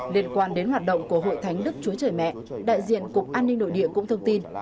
liên quan đến hoạt động của hội thánh đức chúa trời mẹ đại diện cục an ninh nội địa cũng thông tin